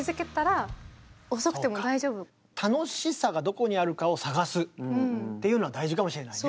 だから楽しさがどこにあるかを探すっていうのは大事かもしれないね。